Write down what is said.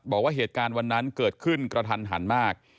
บอกว่าเหตุการณ์วันนั้นเกิดขึ้นกระทันหันมาก